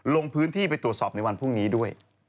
ลงพื้นที่ไปตรวจสอบในวันพรุ่งนี้ด้วย